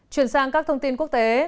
chuyển sang các thông tin quốc tế